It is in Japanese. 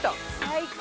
最高。